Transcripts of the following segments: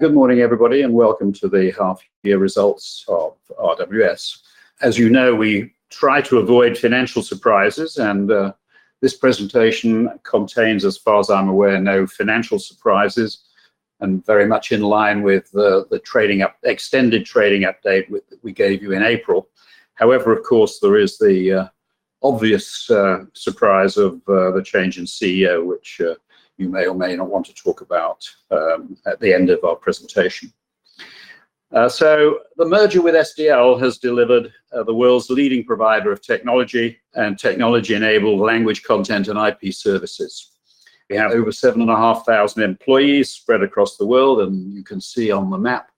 Good morning, everybody, and welcome to the half-year results of RWS. As you know, we try to avoid financial surprises, and this presentation contains, as far as I'm aware, no financial surprises, and very much in line with the extended trading update we gave you in April. However, of course, there is the obvious surprise of the change in CEO, which we may or may not want to talk about at the end of our presentation. The merger with SDL has delivered the world's leading provider of technology and technology-enabled language content and IP Services. We have over 7,500 employees spread across the world, and you can see on the map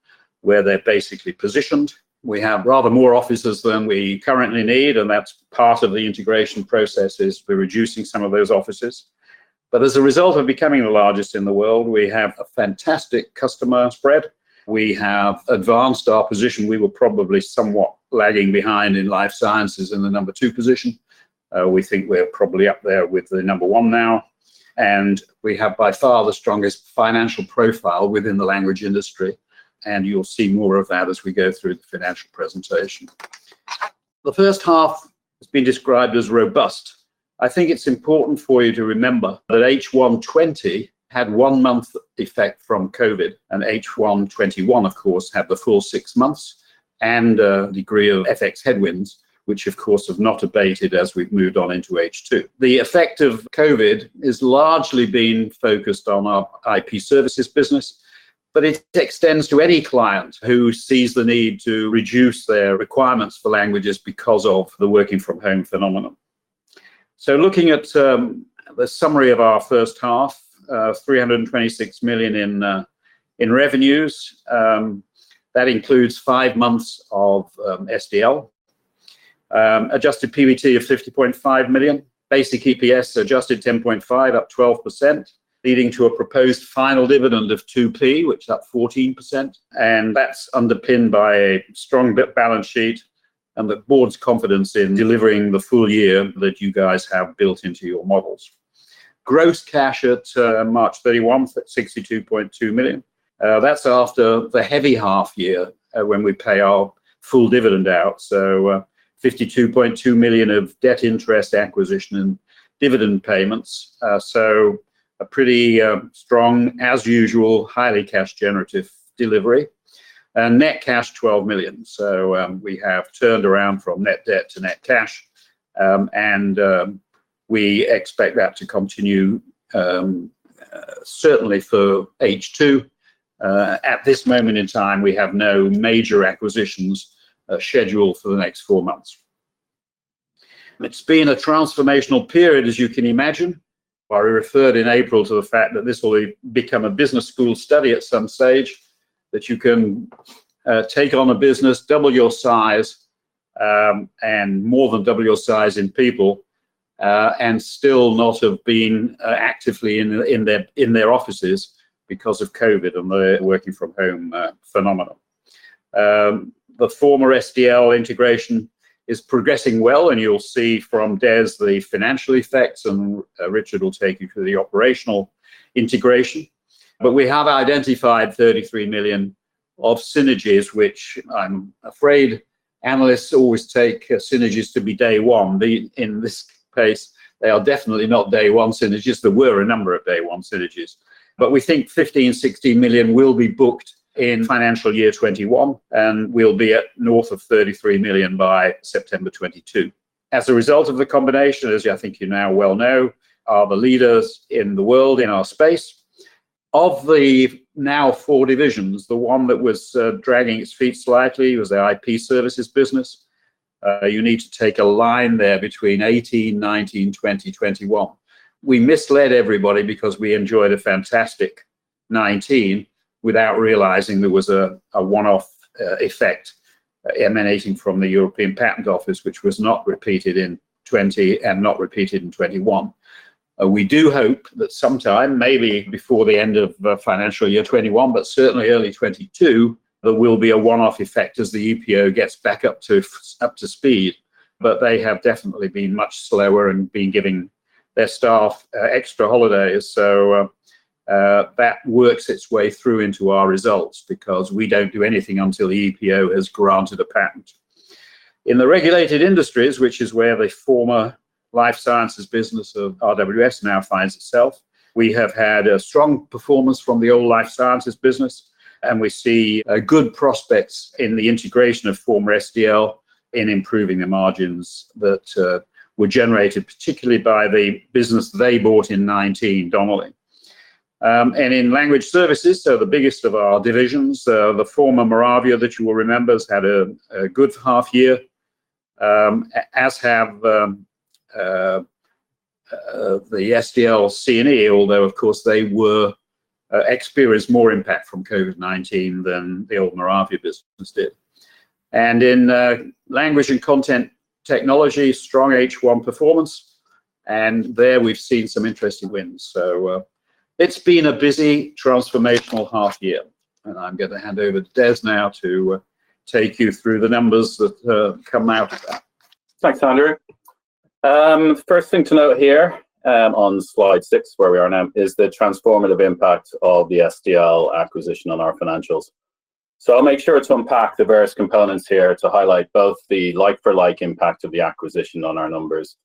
where they're basically positioned. We have rather more offices than we currently need, and that's part of the integration process is we're reducing some of those offices. As a result of becoming the largest in the world, we have a fantastic customer spread. We have advanced our position. We were probably somewhat lagging behind in life sciences in the number two position. We think we are probably up there with the number one now, and we have by far the strongest financial profile within the language industry, and you'll see more of that as we go through the financial presentation. The first half has been described as robust. I think it's important for you to remember that H1 2020 had one month effect from COVID-19, and H1 2021, of course, had the full six months and a degree of FX headwinds, which of course have not abated as we've moved on into H2. The effect of COVID has largely been focused on our IP Services business, but it extends to any client who sees the need to reduce their requirements for languages because of the working-from-home phenomenon. Looking at the summary of our first half, 326 million in revenues. That includes five months of SDL. Adjusted PBT of 50.5 million. Basic EPS adjusted 10.5, up 12%, leading to a proposed final dividend of 0.02, which is up 14%, and that's underpinned by a strong balance sheet and the board's confidence in delivering the full year that you guys have built into your models. Gross cash at March 31, at 62.2 million. That's after the heavy half year when we pay our full dividend out, so 52.2 million of debt interest acquisition and dividend payments. A pretty strong, as usual, highly cash-generative delivery. Net cash 12 million. We have turned around from net debt to net cash, and we expect that to continue certainly for H2. At this moment in time, we have no major acquisitions scheduled for the next four months. It's been a transformational period, as you can imagine. I referred in April to the fact that this will become a business school study at some stage, that you can take on a business double your size, and more than double your size in people, and still not have been actively in their offices because of COVID and the working-from-home phenomenon. The former SDL integration is progressing well, and you'll see from Des the financial effects, and Richard will take you through the operational integration. We have identified 33 million of synergies, which I'm afraid analysts always take synergies to be day one. In this case, they are definitely not day-one synergies, though we're a number of day-one synergies. We think 15 million, 16 million will be booked in financial year 2021, and we'll be at north of 33 million by September 2022. As a result of the combination, as I think you now well know, are the leaders in the world in our space. Of the now four divisions, the one that was dragging its feet slightly was the IP Services business. You need to take a line there between 2018, 2019, 2020, 2021. We misled everybody because we enjoyed a fantastic 2019 without realizing there was a one-off effect emanating from the European Patent Office, which was not repeated in 2020 and not repeated in 2021. We do hope that sometime, maybe before the end of financial year 2021, but certainly early 2022, there will be a one-off effect as the EPO gets back up to speed. They have definitely been much slower and been giving their staff extra holidays, so that works its way through into our results because we don't do anything until the EPO has granted a patent. In the Regulated Industries, which is where the former life sciences business of RWS now finds itself, we have had a strong performance from the old life sciences business, and we see good prospects in the integration of former SDL in improving the margins that were generated, particularly by the business they bought in 2019, Donnelley. In Language Services, so the biggest of our divisions, the former Moravia that you will remember has had a good half year, as have the SDL C&E, although, of course, they experienced more impact from COVID-19 than the old Moravia business did. In Language and Content Technology, strong H1 performance, and there we've seen some interesting wins. It's been a busy transformational half year, and I'm going to hand over to Des now to take you through the numbers that have come out of that. Thanks Andrew. The first thing to note here on slide six, where we are now, is the transformative impact of the SDL acquisition on our financials. I'll make sure to unpack the various components here to highlight both the like-for-like impact of the acquisition on our numbers,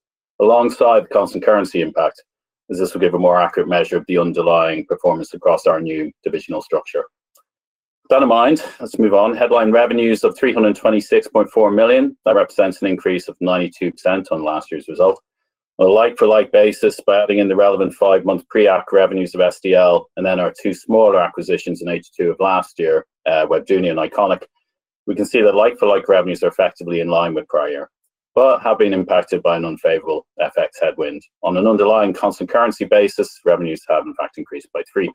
alongside the constant currency impact, as this will give a more accurate measure of the underlying performance across our new divisional structure. With that in mind, let's move on. Headline revenues of 326.4 million. That represents an increase of 92% on last year's result. On a like-for-like basis, by putting in the relevant five-month pre-acq revenues of SDL, and then our two smaller acquisitions in H2 of last year, Webdunia and Iconic, we can see that like-for-like revenues are effectively in line with prior, but have been impacted by an unfavorable FX headwind. On an underlying constant currency basis, revenues have in fact increased by 3%.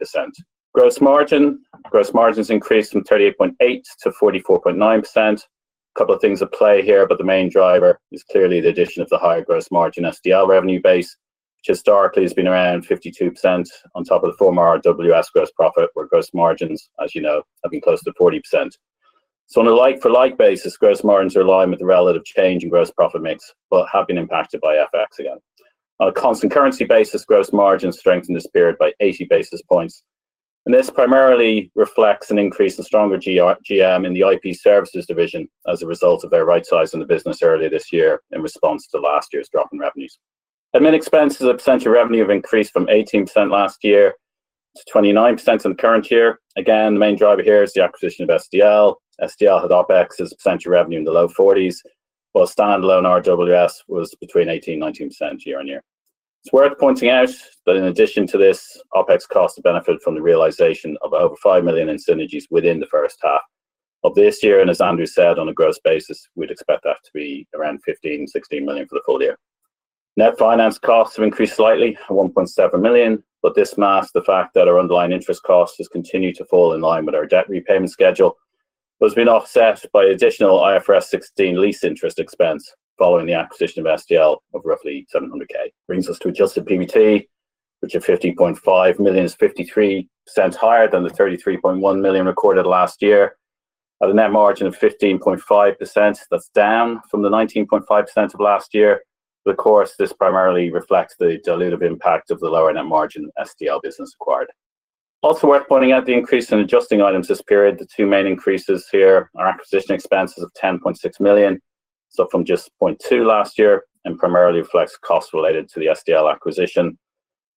Gross margin. Gross margins increased from 38.8% to 44.9%. A couple of things at play here, but the main driver is clearly the addition of the higher gross margin SDL revenue base, which historically has been around 52%, on top of the former RWS gross profit, where gross margins, as you know, have been closer to 40%. On a like-for-like basis, gross margins are in line with the relative change in gross profit mix, but have been impacted by FX again. On a constant currency basis, gross margin strengthened this period by 80 basis points, and this primarily reflects an increase in stronger GM in the IP Services division as a result of their rightsizing the business earlier this year in response to last year's drop in revenues. Admin expenses as a percent of revenue have increased from 18% last year to 29% in the current year. Again, the main driver here is the acquisition of SDL. SDL had OpEx as a percent of revenue in the low 40s, while standalone RWS was between 18% and 19% year on year. It's worth pointing out that in addition to this, OpEx cost benefit from the realization of over 5 million in synergies within the first half of this year, and as Andrew said, on a gross basis, we'd expect that to be around 15 million, 16 million for the full year. Net finance costs have increased slightly to 1.7 million. This masks the fact that our underlying interest costs have continued to fall in line with our debt repayment schedule, but has been offset by additional IFRS 16 lease interest expense following the acquisition of SDL of roughly 700K. Brings us to adjusted EBT, which at 15.5 million is 53% higher than the 33.1 million recorded last year. At a net margin of 15.5%, that's down from the 19.5% of last year. Of course, this primarily reflects the dilutive impact of the lower net margin SDL business acquired. Also worth pointing out the increase in adjusting items this period. The two main increases here are acquisition expenses of 10.6 million, up from just 0.2 million last year, and primarily reflects costs related to the SDL acquisition,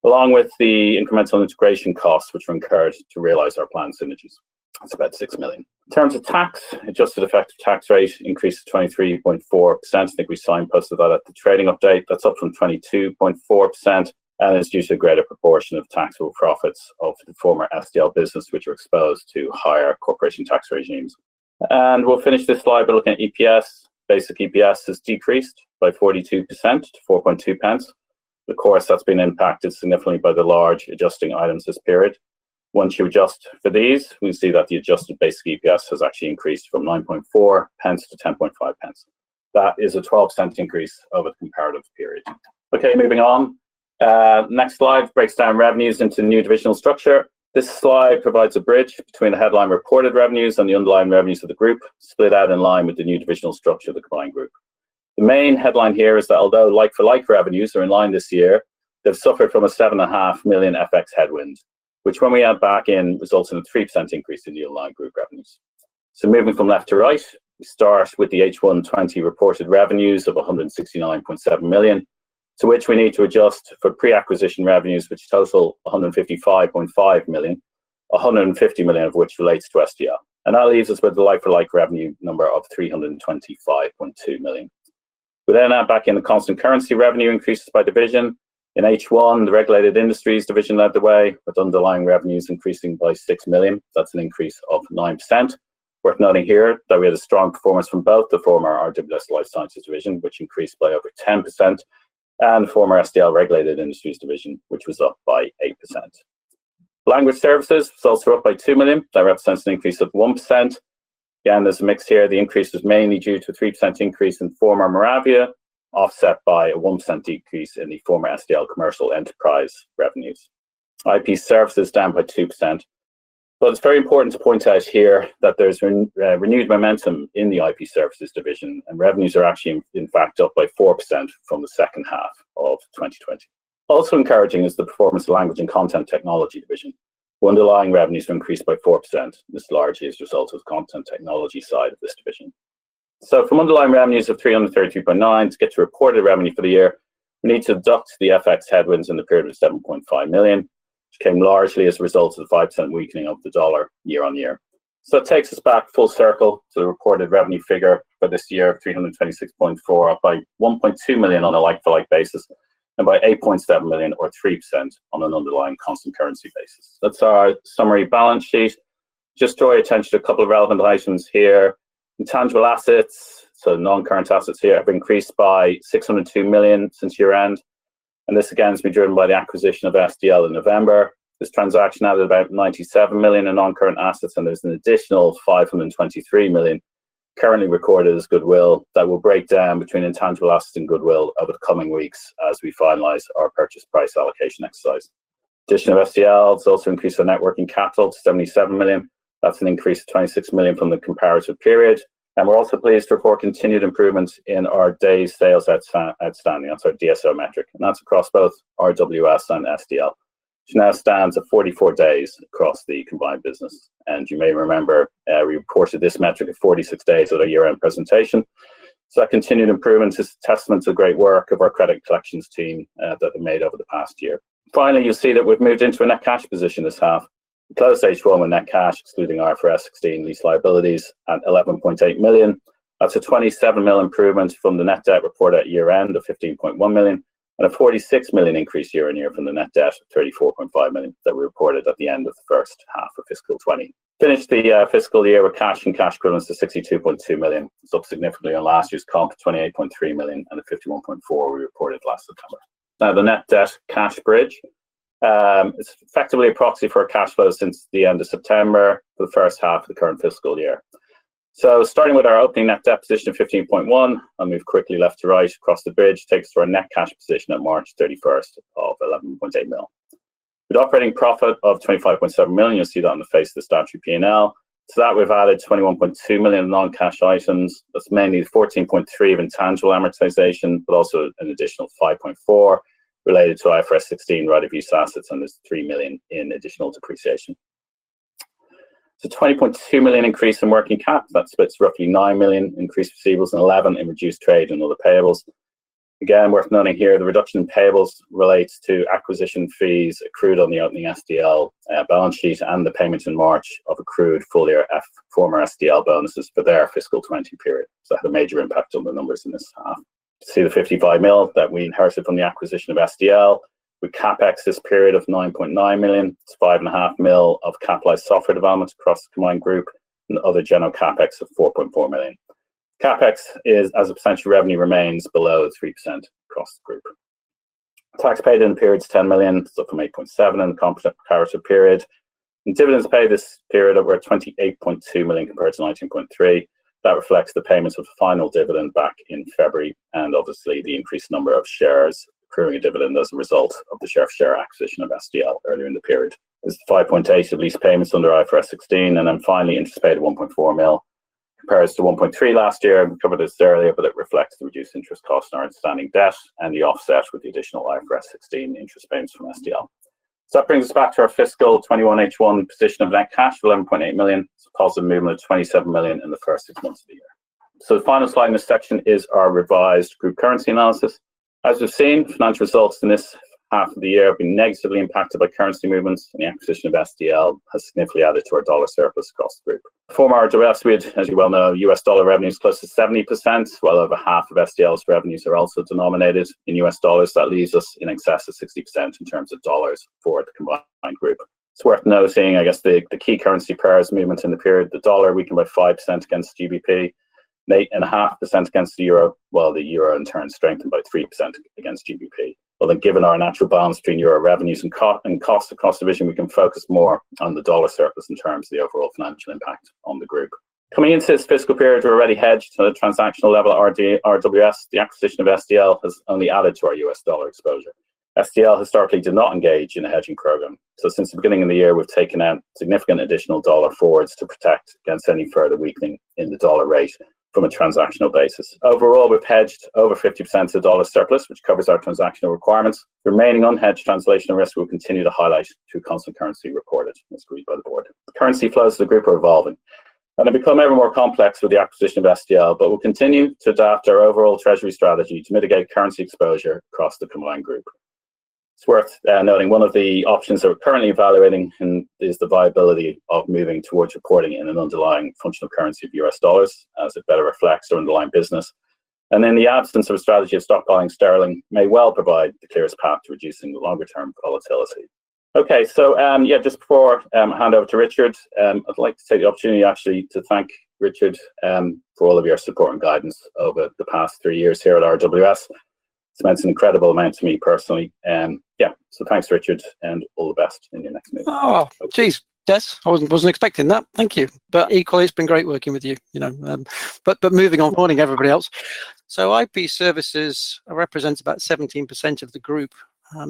along with the incremental integration costs, which we're encouraged to realize our planned synergies. That's about 6 million. In terms of tax, adjusted effective tax rate increased to 23.4%. I think we signposted that at the trading update. That's up from 22.4%. It's due to a greater proportion of taxable profits of the former SDL business, which are exposed to higher corporation tax regimes. We'll finish this slide by looking at EPS. Basic EPS has decreased by 42% to 0.042. Of course, that's been impacted significantly by the large adjusting items this period. Once you adjust for these, we see that the adjusted basic EPS has actually increased from 0.094 to 0.105. That is a 12% increase over the comparative period. Okay, moving on. Next slide breaks down revenues into the new divisional structure. This slide provides a bridge between the headline reported revenues and the underlying revenues of the group split out in line with the new divisional structure of the combined group. The main headline here is that although like-for-like revenues are in line this year, they have suffered from a 7.5 million FX headwind, which when we add back in, results in a 3% increase in the underlying group revenues. Moving from left to right, we start with the H1 2020 reported revenues of 169.7 million, to which we need to adjust for pre-acquisition revenues which total 155.5 million, 150 million of which relates to SDL. That leaves us with a like-for-like revenue number of 325.2 million. We add back in the constant currency revenue increases by division. In H1, the Regulated Industries division led the way, with underlying revenues increasing by 6 million. That is an increase of 9%. Worth noting here, though we had a strong performance from both the former RWS Life Sciences division, which increased by over 10%, and the former SDL Regulated Industries division, which was up by 8%. Language Services was also up by 2 million. That represents an increase of 1%. Again, there's a mix here. The increase is mainly due to 3% increase in former Moravia, offset by a 1% decrease in the former SDL Commercial Enterprise revenues. IP Services down by 2%. It's very important to point out here that there's renewed momentum in the IP Services division, and revenues are actually in fact up by 4% from the second half of 2020. Also encouraging is the performance of the Language and Content Technology division, where underlying revenues increased by 4%. This largely as a result of the content technology side of this division. From underlying revenues of 330.9 to get to recorded revenue for the year, we need to deduct the FX headwinds in the period of 7.5 million, which came largely as a result of the $0.05 weakening of the dollar year-on-year. It takes us back full circle to the recorded revenue figure for this year, 326.4, up by 1.2 million on a like-for-like basis, and by 8.7 million or 3% on an underlying constant currency basis. That's our summary balance sheet. Just draw your attention to two relevant items here. Intangible assets, non-current assets here have increased by 602 million since year-end, and this again has been driven by the acquisition of SDL in November. This transaction added about 97 million in non-current assets, and there's an additional 523 million currently recorded as goodwill that will break down between intangible assets and goodwill over the coming weeks as we finalize our purchase price allocation exercise. Additional SDL has also increased our net working capital to 77 million. That's an increase of 26 million from the comparative period. We're also pleased to report continued improvements in our days sales outstanding, our DSO metric, and that's across both RWS and SDL, which now stands at 44 days across the combined business. You may remember, we reported this metric at 46 days at our year-end presentation. That continued improvement is a testament to the great work of our credit collections team that they've made over the past year. Finally, you'll see that we've moved into a net cash position this half. We closed H1 with net cash excluding IFRS 16 lease liabilities at 11.8 million. That's a 27 million improvement from the net debt reported at year-end of 15.1 million and a 46 million increase year-on-year from the net debt of 34.5 million that we reported at the end of the first half of fiscal 2020. We finished the fiscal year with cash and cash equivalents to 62.2 million. This is up significantly on last year's comp of 28.3 million and the 51.4 million we reported last September. The net debt cash bridge. It's effectively a proxy for cash flow since the end of September for the first half of the current fiscal year. Starting with our opening net debt position of 15.1 million, we've quickly left to right across the bridge, takes us to our net cash position at March 31st of 11.8 million. With operating profit of 25.7 million, you'll see that on the face of the statutory P&L. To that, we've added 21.2 million of non-cash items. That's mainly 14.3 million of intangible amortization, but also an additional 5.4 million related to IFRS 16 right of use assets, and there's 3 million in additional depreciation. There's a 20.2 million increase in working cap. That splits roughly 9 million increase receivables and 11 million in reduced trade and other payables. Again, worth noting here the reduction in payables relates to acquisition fees accrued on the opening SDL balance sheet and the payments in March of accrued full-year former SDL bonuses for their fiscal 2020 period. Had a major impact on the numbers in this half. You see the 55 million that we inherited from the acquisition of SDL. With CapEx this period of 9.9 million, that's 5.5 million of capitalized software development across the combined group and other general CapEx of 4.4 million. CapEx as a percentage of revenue remains below the 3% across the group. Tax paid in the period is 10 million. This is up from 8.7 in the competitive comparative period. Dividends paid this period were 28.2 million compared to 19.3. That reflects the payments of the final dividend back in February, and obviously the increased number of shares accruing dividend as a result of the share acquisition of SDL earlier in the period. There's 5.8 of lease payments under the IFRS 16, and then finally interest paid, 1.4 million, compares to 1.3 last year. We covered this earlier, but it reflects the reduced interest cost on our outstanding debt and the offset with the additional IFRS 16 interest payments from SDL. That brings us back to our fiscal 2021 H1 position of net cash of 11.8 million. This is a positive movement of 27 million in the first six months of the year. The final slide in this section is our revised group currency analysis. As we've seen, financial results in this half of the year have been negatively impacted by currency movements, and the acquisition of SDL has significantly added to our U.S. dollar surplus across the group. For RWS, which as you well know, U.S. dollar revenue is close to 70%, well over half of SDL's revenues are also denominated in U.S. dollars. That leaves us in excess of 60% in terms of U.S. dollars for the combined group. It's worth noting, I guess, the key currency pairs movement in the period, the dollar weakened by 5% against GBP, 8.5% against the EUR, while the EUR in turn strengthened by 3% against GBP. Given our natural balance between EUR revenues and cost of cost revision, we can focus more on the dollar surplus in terms of the overall financial impact on the group. Coming into this fiscal period, we're already hedged to the transactional level at RWS. The acquisition of SDL has only added to our U.S. dollar exposure. SDL historically did not engage in a hedging program, since the beginning of the year, we've taken out significant additional dollar forwards to protect against any further weakening in the dollar rate from a transactional basis. Overall, we've hedged over 50% of the dollar surplus, which covers our transactional requirements. Remaining unhedged translation risk we'll continue to highlight through constant currency reported as we go forward. Currency flows of the group are evolving, and they become ever more complex with the acquisition of SDL. We'll continue to adapt our overall treasury strategy to mitigate currency exposure across the combined group. It's worth noting one of the options we're currently evaluating is the viability of moving towards reporting in an underlying functional currency of U.S. dollars as it better reflects our underlying business. In the absence of a strategy of stock buying sterling may well provide the clearest path to reducing the longer-term volatility. Yeah, just before I hand over to Richard, I'd like to take the opportunity actually to thank Richard for all of your support and guidance over the past three years here at RWS. It's meant an incredible amount to me personally. Yeah, thanks Richard, and all the best in your next move. Oh, geez, Des, I wasn't expecting that. Thank you. Equally, it's been great working with you. Moving on, morning everybody else. IP Services represents about 17% of the group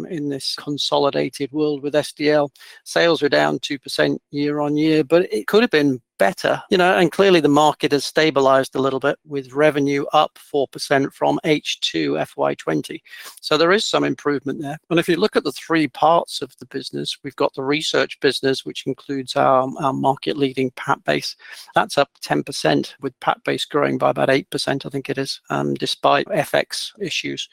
in this consolidated world with SDL. Sales were down 2% year-on-year, but it could have been better. Clearly the market has stabilized a little bit with revenue up 4% from H2 FY 2020. There is some improvement there. If you look at the three parts of the business, we've got the research business, which includes our market leading PatBase. That's up 10% with PatBase growing by about 8%, I think it is, despite FX issues.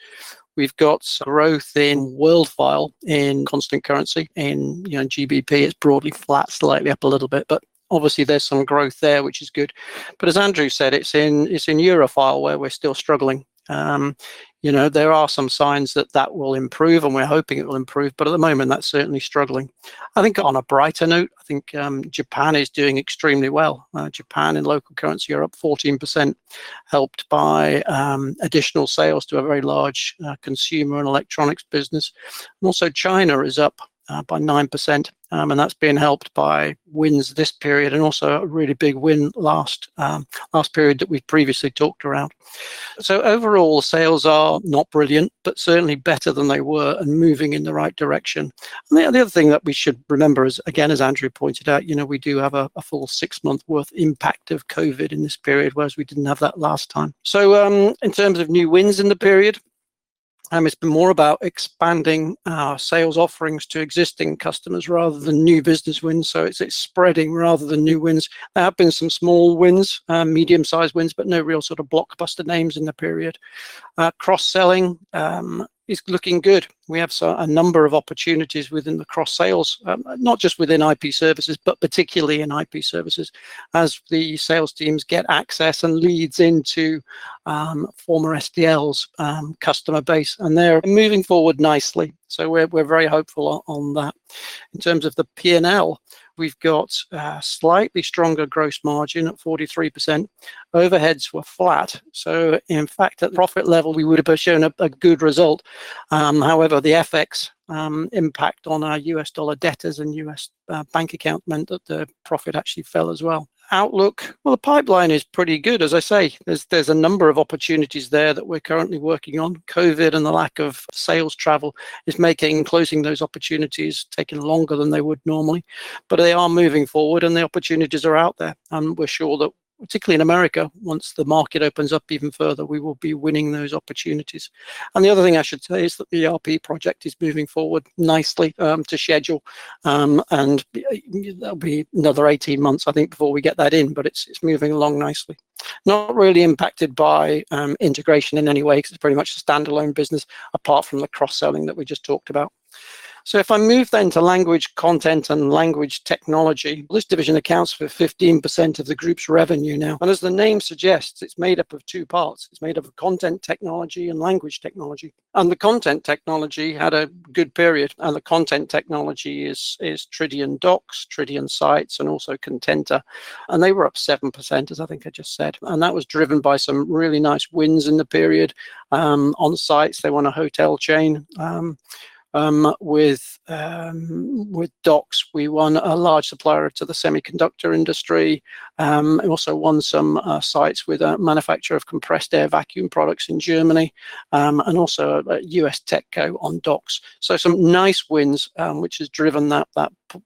We've got growth in WorldFile in constant currency. In GBP, it's broadly flat, slightly up a little bit, but obviously there's some growth there, which is good. As Andrew said, it's in EuroFile where we're still struggling. There are some signs that that will improve, and we're hoping it will improve, but at the moment, that's certainly struggling. I think on a brighter note, I think Japan is doing extremely well. Japan in local currency are up 14%, helped by additional sales to a very large consumer and electronics business. Also China is up by 9%, and that's been helped by wins this period and also a really big win last period that we previously talked around. Overall, sales are not brilliant, but certainly better than they were and moving in the right direction. The other thing that we should remember is, again, as Andrew pointed out, we do have a full six month worth impact of COVID-19 in this period, whereas we didn't have that last time. In terms of new wins in the period. It's been more about expanding our sales offerings to existing customers rather than new business wins. It's spreading rather than new wins. There have been some small wins, medium-sized wins, but no real sort of blockbuster names in the period. Cross-selling is looking good. We have a number of opportunities within the cross-sales, not just within IP Services, but particularly in IP Services, as the sales teams get access and leads into former SDL's customer base. They're moving forward nicely. We're very hopeful on that. In terms of the P&L, we've got slightly stronger gross margin at 43%. Overheads were flat. In fact, at profit level, we would have shown a good result. However, the FX impact on our U.S. dollar debtors and U.S. bank account meant that the profit actually fell as well. Outlook, well, the pipeline is pretty good. As I say, there's a number of opportunities there that we're currently working on. COVID and the lack of sales travel is making closing those opportunities taking longer than they would normally. They are moving forward, and the opportunities are out there, and we're sure that particularly in America, once the market opens up even further, we will be winning those opportunities. The other thing I should say is that the ERP project is moving forward nicely to schedule. There'll be another 18 months, I think, before we get that in, but it's moving along nicely. Not really impacted by integration in any way because it's pretty much a standalone business apart from the cross-selling that we just talked about. If I move then to Language and Content Technology, this division accounts for 15% of the group's revenue now. As the name suggests, it's made up of two parts. It's made up of content technology and language technology. The content technology had a good period. The content technology is Tridion Docs, Tridion Sites, and also Contenta. They were up 7%, as I think I just said. That was driven by some really nice wins in the period. On Sites, they won a hotel chain. With Docs, we won a large supplier to the semiconductor industry, and also won some sites with a manufacturer of compressed air vacuum products in Germany, and also a U.S. tech go on Docs. Some nice wins, which has driven that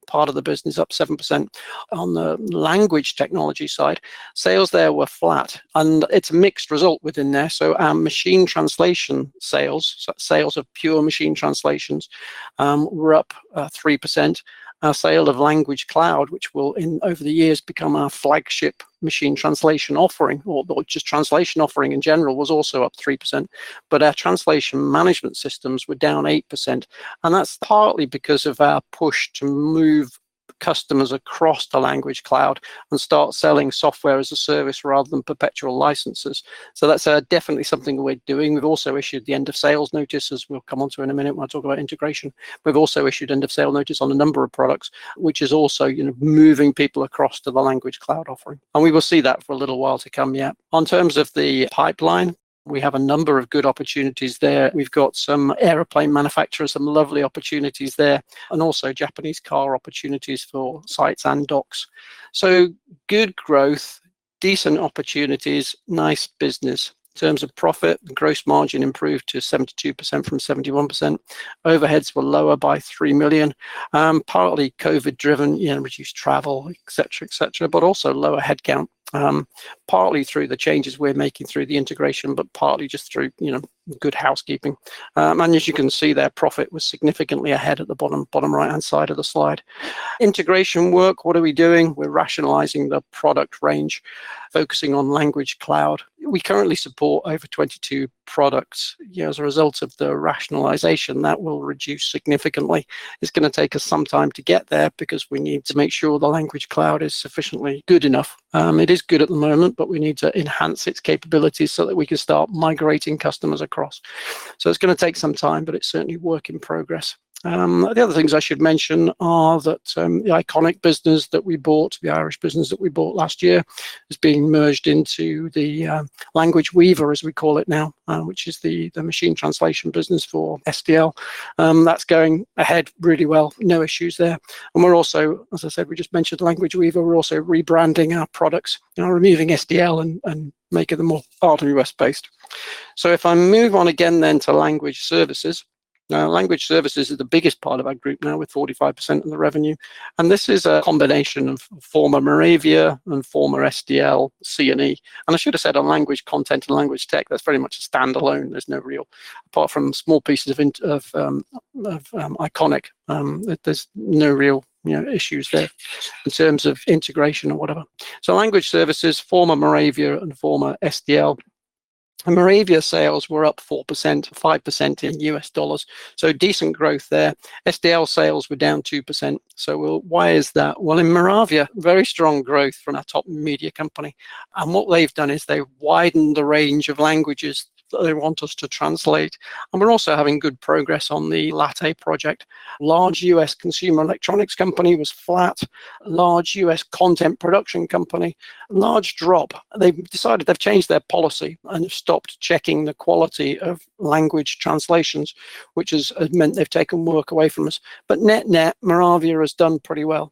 part of the business up 7%. On the language technology side, sales there were flat. It's a mixed result within there. Our machine translation sales of pure machine translations, were up 3%. Our sale of Language Cloud, which will over the years become our flagship machine translation offering, or just translation offering in general, was also up 3%. Our translation management systems were down 8%, and that's partly because of our push to move customers across the Language Cloud and start selling Software as a Service rather than perpetual licenses. That's definitely something we're doing. We've also issued the end-of-sales notice, as we'll come onto in a minute when I talk about integration. We've also issued end-of-sale notice on a number of products, which is also moving people across to the Language Cloud offering. We will see that for a little while to come yet. On terms of the pipeline, we have a number of good opportunities there. We've got some airplane manufacturers, some lovely opportunities there, and also Japanese car opportunities for Sites and Docs. Good growth, decent opportunities, nice business. In terms of profit, the gross margin improved to 72% from 71%. Overheads were lower by 3 million, partly COVID-19 driven, reduced travel, etc. Also lower headcount, partly through the changes we're making through the integration, partly just through good housekeeping. As you can see there, profit was significantly ahead at the bottom right-hand side of the slide. Integration work, what are we doing? We're rationalizing the product range, focusing on Language Cloud. We currently support over 22 products. As a result of the rationalization, that will reduce significantly. It's going to take us some time to get there because we need to make sure the Language Cloud is sufficiently good enough. It is good at the moment, but we need to enhance its capabilities so that we can start migrating customers across. It's going to take some time, but it's certainly work in progress. The other things I should mention are that the Iconic business that we bought, the Irish business that we bought last year, is being merged into the Language Weaver, as we call it now, which is the machine translation business for SDL. That's going ahead really well. No issues there. We're also, as I said, we just mentioned Language Weaver, we're also rebranding our products. Removing SDL and making them more RWS based. If I move on again then to Language Services. Language Services is the biggest part of our group now with 45% of the revenue. This is a combination of former Moravia and former SDL C&E. I should have said on Language and Content Technology, that's pretty much a standalone. Apart from small pieces of Iconic, there's no real issues there in terms of integration or whatever. Language Services, former Moravia and former SDL. Moravia sales were up 4%, 5% in U.S. dollars, decent growth there. SDL sales were down 2%, why is that? In Moravia, very strong growth from our top media company. What they've done is they've widened the range of languages that they want us to translate, and we're also having good progress on the Latte project. Large U.S. consumer electronics company was flat. Large U.S. content production company, large drop. They've decided they've changed their policy and have stopped checking the quality of language translations, which has meant they've taken work away from us. Net, Moravia has done pretty well.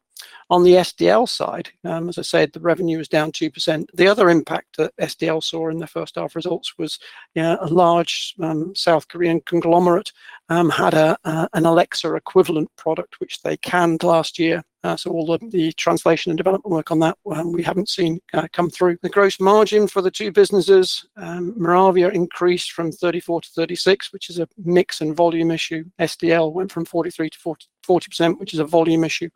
On the SDL side, as I said, the revenue was down 2%. The other impact that SDL saw in the first half results was a large South Korean conglomerate had an Alexa equivalent product, which they canned last year. All of the translation and development work on that we haven't seen come through. The gross margin for the two businesses, Moravia increased from 34% to 36%, which is a mix and volume issue. SDL went from 43% to 40%, which is a volume issue.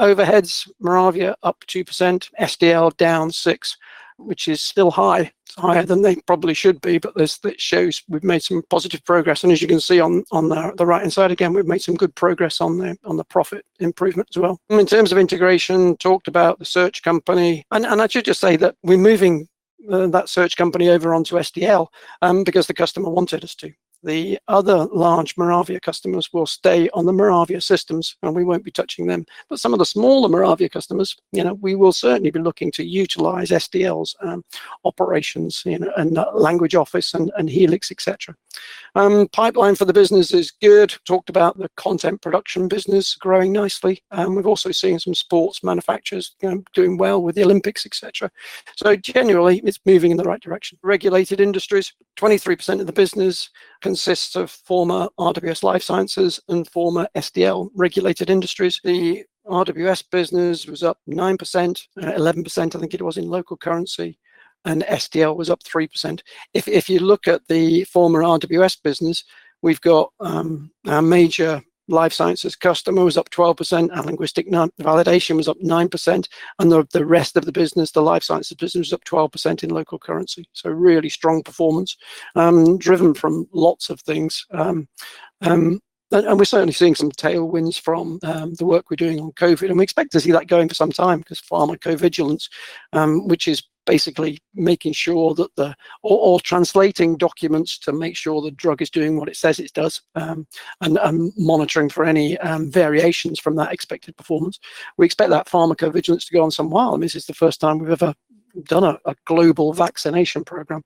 Overheads, Moravia up 2%, SDL down 6%, which is still high. Higher than they probably should be, but this bit shows we've made some positive progress. As you can see on the right-hand side, again, we've made some good progress on the profit improvements as well. In terms of integration, talked about the search company, and I should just say that we're moving that search company over onto SDL because the customer wanted us to. The other large Moravia customers will stay on the Moravia systems, and we won't be touching them. Some of the smaller Moravia customers, we will certainly be looking to utilize SDL's operations and Language Office and Helix, etc. Pipeline for the business is good. Talked about the content production business growing nicely. We've also seen some sports manufacturers doing well with the Olympics, etc. Generally, it's moving in the right direction. Regulated Industries, 23% of the business consists of former RWS Life Sciences and former SDL Regulated Industries. The RWS business was up 9%, 11% I think it was, in local currency, and SDL was up 3%. If you look at the former RWS business, we've got our major life sciences customer was up 12%, our linguistic validation was up 9%, the rest of the business, the life sciences business, was up 12% in local currency. Really strong performance driven from lots of things. We're certainly seeing some tailwinds from the work we're doing on COVID, we expect to see that going for some time because pharmacovigilance which is basically making sure that or translating documents to make sure the drug is doing what it says it does and monitoring for any variations from that expected performance. We expect that pharmacovigilance to go on some while, this is the first time we've ever done a global vaccination program.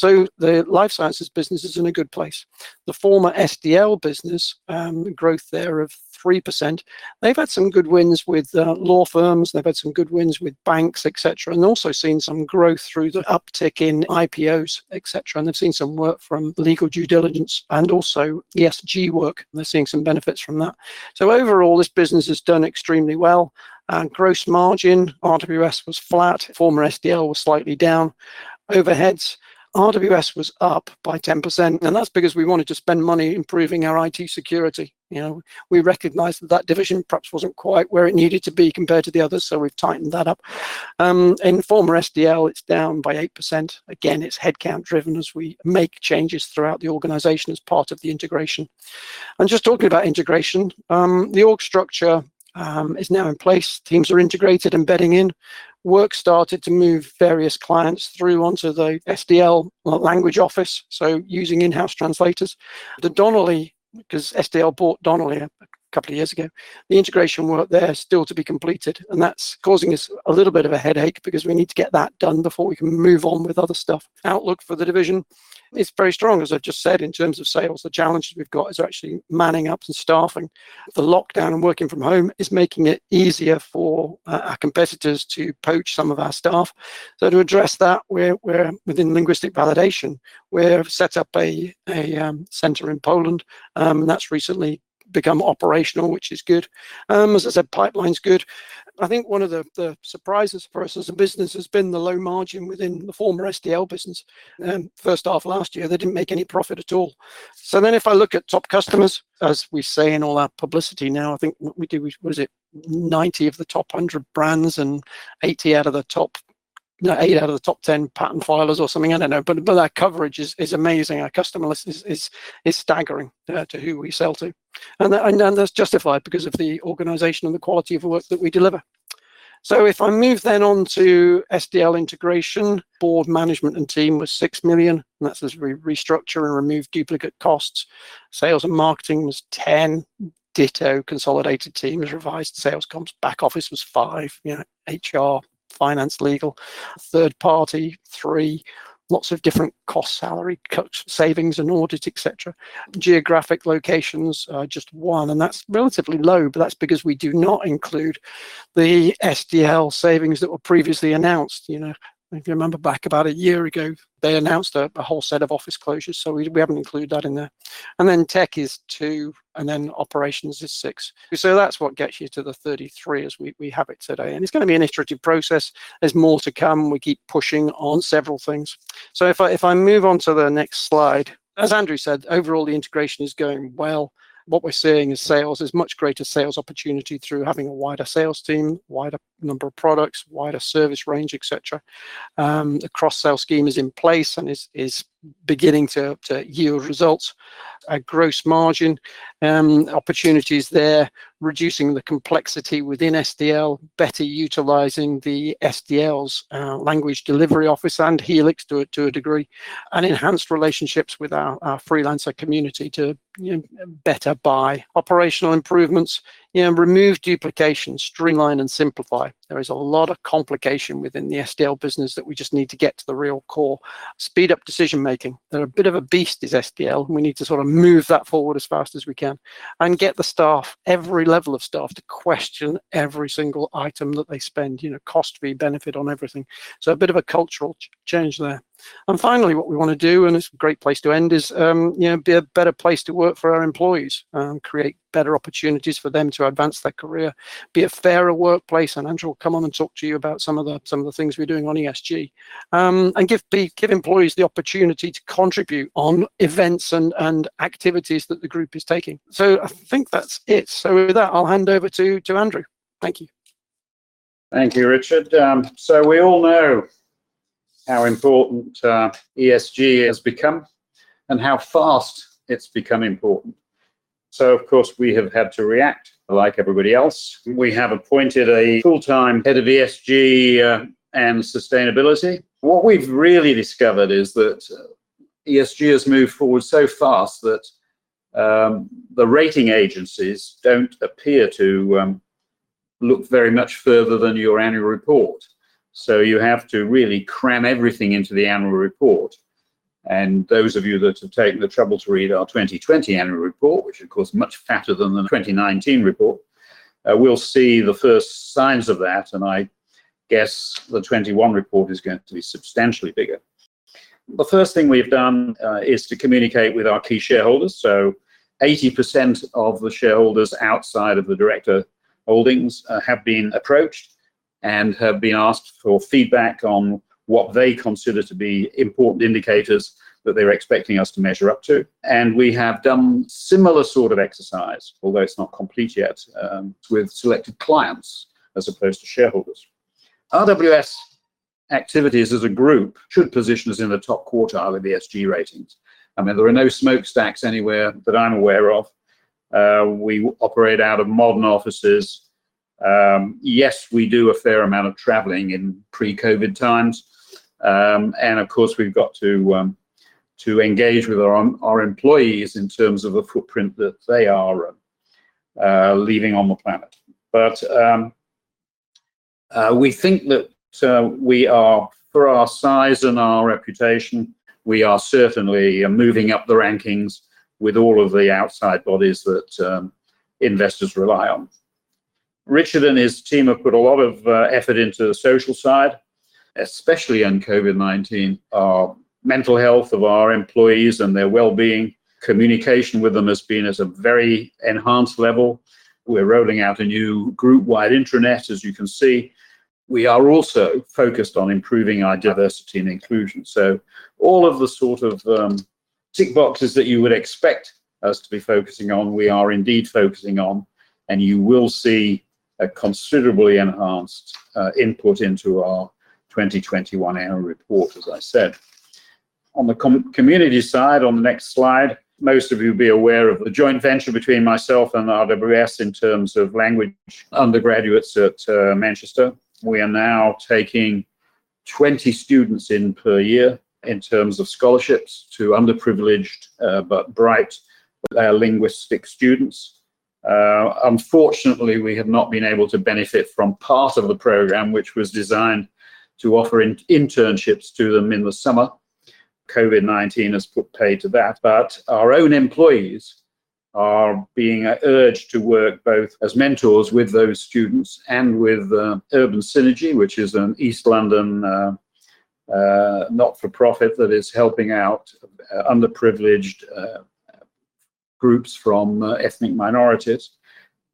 The life sciences business is in a good place. The former SDL business, the growth there of 3%. They've had some good wins with law firms. They've had some good wins with banks, etc, and also seen some growth through the uptick in IPOs, etc, and they've seen some work from legal due diligence and also ESG work, and they're seeing some benefits from that. Overall, this business has done extremely well. Gross margin, RWS was flat, former SDL was slightly down. Overheads, RWS was up by 10%, and that's because we wanted to spend money improving our IT security. We recognized that that division perhaps wasn't quite where it needed to be compared to the others, so we've tightened that up. In former SDL, it's down by 8%. Again, it's headcount driven as we make changes throughout the organization as part of the integration. Just talking about integration, the org structure is now in place. Teams are integrated and bedding in. Work started to move various clients through onto the SDL Language Office, so using in-house translators. The Donnelley, because SDL bought Donnelley a couple of years ago, the integration work there is still to be completed, and that's causing us a little bit of a headache because we need to get that done before we can move on with other stuff. Outlook for the division, it's very strong, as I just said. In terms of sales, the challenge we've got is actually manning up some staffing. The lockdown and working from home is making it easier for our competitors to poach some of our staff. To address that, within Linguistic Validation, we have set up a center in Poland, and that's recently become operational, which is good. As I said, pipeline's good. I think one of the surprises for us as a business has been the low margin within the former SDL business. First half last year, they didn't make any profit at all. If I look at top customers, as we say in all our publicity now, I think what we do is, was it 90 of the top 100 brands and 80 out of the top 10 patent filers or something? I don't know. That coverage is amazing. Our customer list is staggering, to who we sell to. That's justified because of the organization and the quality of work that we deliver. If I move then on to SDL integration, board management, and team was 6 million, and that's as we restructure and remove duplicate costs. Sales and marketing was 10, ditto consolidated team was revised. Sales comp back office was 5, HR, finance, legal. Third party, three. Lots of different cost, salary cuts, savings, and audit, etc. Geographic locations are just one, and that's relatively low, but that's because we do not include the SDL savings that were previously announced. If you remember back about a year ago, they announced a whole set of office closures, we haven't included that in there. Tech is two, and operations is six. That's what gets you to the 33 as we have it today, and it's going to be an iterative process. There's more to come. We keep pushing on several things. If I move on to the next slide. As Andrew said, overall, the integration is going well. What we're seeing in sales is much greater sales opportunity through having a wider sales team, wider number of products, wider service range, etc. The cross-sell scheme is in place and is beginning to yield results. At gross margin opportunities there, reducing the complexity within SDL, better utilizing the SDL's language delivery office and Helix, to a degree, and enhance relationships with our freelancer community to better buy operational improvements, remove duplications, streamline and simplify. There is a lot of complication within the SDL business that we just need to get to the real core. Speed up decision-making. They're a bit of a beast is SDL. We need to sort of move that forward as fast as we can. Get every level of staff to question every single item that they spend, cost versus benefit on everything. A bit of a cultural change there. Finally, what we want to do, and it's a great place to end, is be a better place to work for our employees. Create better opportunities for them to advance their career, be a fairer workplace, and Andrew will come on and talk to you about some of the things we're doing on ESG. Give employees the opportunity to contribute on events and activities that the group is taking. I think that's it. With that, I'll hand over to Andrew. Thank you. Thank you, Richard. We all know how important ESG has become and how fast it's become important. Of course, we have had to react like everybody else. We have appointed a full-time head of ESG and sustainability. What we've really discovered is that ESG has moved forward so fast that the rating agencies don't appear to look very much further than your annual report. You have to really cram everything into the annual report. Those of you that have taken the trouble to read our 2020 annual report, which of course much fatter than the 2019 report, will see the first signs of that, and I guess the 2021 report is going to be substantially bigger. The first thing we've done is to communicate with our key shareholders. 80% of the shareholders outside of the director holdings have been approached and have been asked for feedback on what they consider to be important indicators that they're expecting us to measure up to. We have done a similar sort of exercise, although it's not complete yet, with selected clients as opposed to shareholders. RWS activities as a group should position us in the top quartile of ESG ratings. I mean, there are no smokestacks anywhere that I'm aware of. We operate out of modern offices. Yes, we do a fair amount of traveling in pre-COVID times. Of course, we've got to engage with our employees in terms of the footprint that they are leaving on the planet. We think that we are, for our size and our reputation, we are certainly moving up the rankings with all of the outside bodies that investors rely on. Richard and his team have put a lot of effort into the social side, especially in COVID-19, mental health of our employees and their well-being. Communication with them has been at a very enhanced level. We're rolling out a new group-wide intranet, as you can see. We are also focused on improving our diversity and inclusion. All of the sort of tick boxes that you would expect us to be focusing on, we are indeed focusing on, and you will see a considerably enhanced input into our 2021 annual report, as I said. On the community side, on the next slide, most of you will be aware of the joint venture between myself and RWS in terms of language undergraduates at Manchester. We are now taking 20 students in per year in terms of scholarships to underprivileged but bright linguistic students. Unfortunately, we have not been able to benefit from part of the program, which was designed to offer internships to them in the summer. COVID-19 has put pay to that. Our own employees are being urged to work both as mentors with those students and with Urban Synergy, which is an East London not-for-profit that is helping out underprivileged groups from ethnic minorities.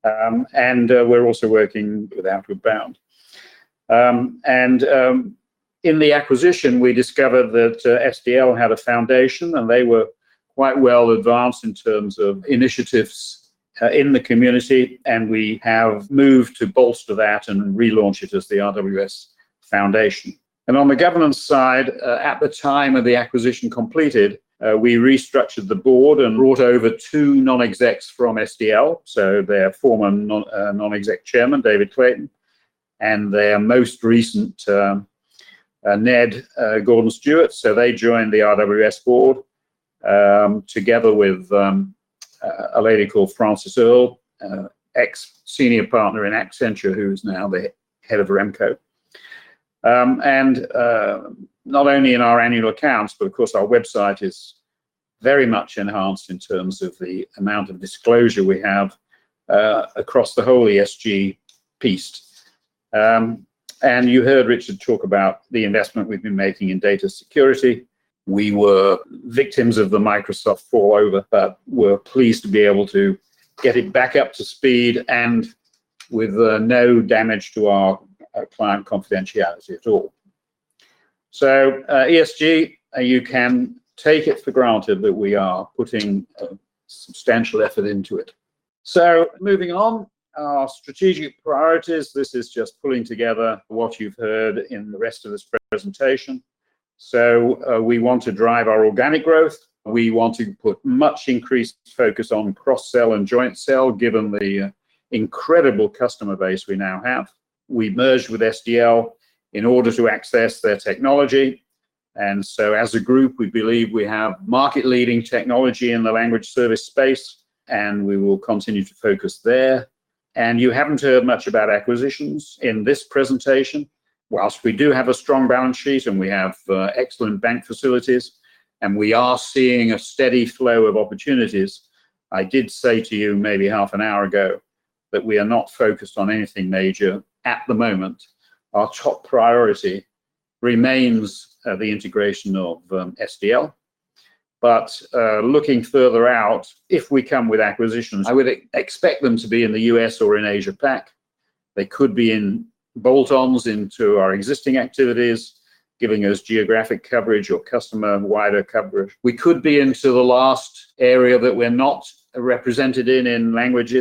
We are also working with Outward Bound. In the acquisition, we discovered that SDL had a foundation, and they were quite well advanced in terms of initiatives in the community, and we have moved to bolster that and relaunch it as the RWS Foundation. On the governance side, at the time of the acquisition completed, we restructured the board and brought over two non-execs from SDL: their former non-exec chairman, David Clayton, and their most recent NED, Gordon Stuart. They joined the RWS Board, together with a lady called Frances Earl, ex-senior partner in Accenture who's now the head of RemCo. Not only in our annual accounts but of course our website is very much enhanced in terms of the amount of disclosure we have across the whole ESG piece. You heard Richard talk about the investment we've been making in data security. We were victims of the Microsoft hack, but we're pleased to be able to get it back up to speed and with no damage to our client confidentiality at all. ESG, you can take it for granted that we are putting substantial effort into it. Moving on, our strategic priorities. This is just pulling together what you've heard in the rest of this presentation. We want to drive our organic growth. We want to put much increased focus on cross-sell and joint-sell, given the incredible customer base we now have. We merged with SDL in order to access their technology. As a group, we believe we have market-leading technology in the language service space, and we will continue to focus there. You haven't heard much about acquisitions in this presentation. Whilst we do have a strong balance sheet, and we have excellent bank facilities, and we are seeing a steady flow of opportunities, I did say to you maybe half an hour ago that we are not focused on anything major at the moment. Our top priority remains the integration of SDL. Looking further out, if we come with acquisitions, I would expect them to be in the U.S. or in Asia-Pac. They could be in bolt-ons into our existing activities, giving us geographic coverage or customer wider coverage. We could be into the last area that we're not represented in Language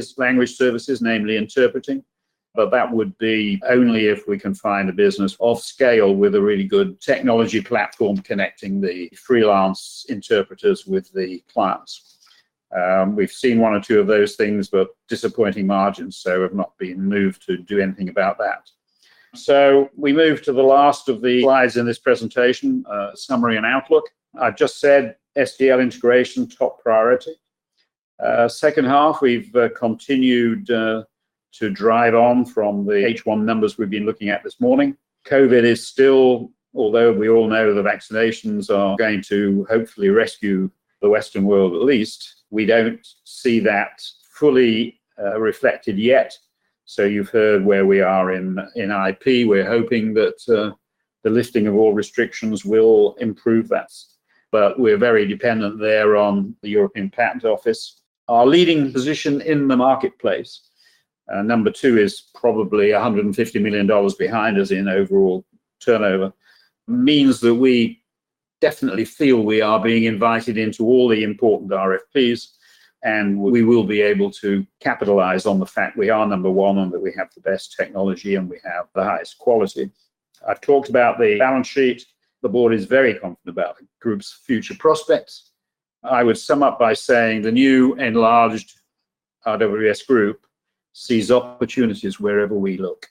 Services, namely interpreting. That would be only if we can find a business of scale with a really good technology platform connecting the freelance interpreters with the clients. We've seen one or two of those things, but disappointing margins, so we've not been moved to do anything about that. We move to the last of the slides in this presentation, summary and outlook. I've just said SDL integration, top priority. Second half, we've continued to drive on from the H1 numbers we've been looking at this morning. COVID is still, although we all know the vaccinations are going to hopefully rescue the Western world at least, we don't see that fully reflected yet. You've heard where we are in IP. We're hoping that the lifting of all restrictions will improve that. We're very dependent there on the European Patent Office. Our leading position in the marketplace, number two is probably GBP 150 million behind us in overall turnover, means that we definitely feel we are being invited into all the important RFPs, and we will be able to capitalize on the fact we are number one and that we have the best technology and we have the highest quality. I've talked about the balance sheet. The board is very confident about the group's future prospects. I would sum up by saying the new enlarged RWS Group sees opportunities wherever we look.